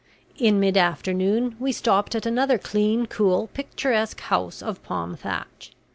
In mid afternoon we stopped at another clean, cool, picturesque house of palm thatch.